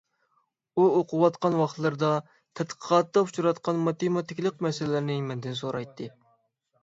ئۇ ئوقۇۋاتقان ۋاقىتلىرىدا تەتقىقاتىدا ئۇچراتقان ماتېماتىكىلىق مەسىلىلەرنى مەندىن سورايتتى.